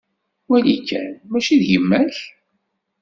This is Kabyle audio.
Wali kan! Mačči d yemma-k?